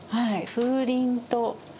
「風鈴と」。